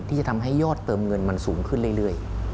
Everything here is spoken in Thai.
ที่จะทำให้ยอดเติมเงินมันสูงขึ้นเรื่อย